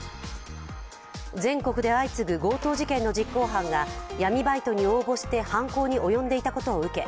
全国で相次ぐ強盗事件の実行犯が闇バイトに応募して犯行に及んでいたことを受け